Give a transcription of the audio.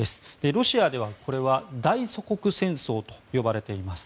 ロシアでは、これは大祖国戦争と呼ばれています。